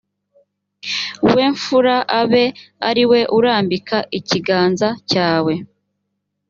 we mpfura abe ari we urambika ikiganza cyawe